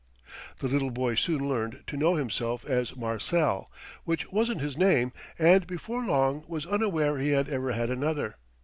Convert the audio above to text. The little boy soon learned to know himself as Marcel, which wasn't his name, and before long was unaware he had ever had another.